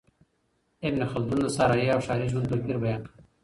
ابن خلدون د صحرایي او ښاري ژوند توپیر بیان کړ.